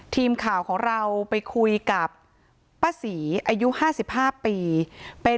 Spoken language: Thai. ทีมข่าวของเราไปคุยกับป้าศรีอายุ๕๕ปีเป็น